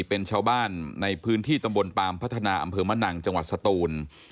เป็นชาวบ้านในพื้นที่ตำบลปามพัฒนาอำเภอมะนังจังหวัดสตูน